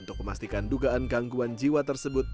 untuk memastikan dugaan gangguan jiwa tersebut